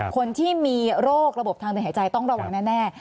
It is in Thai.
คนที่มีโรคระบบทางเดินหายใจต้องระวังแน่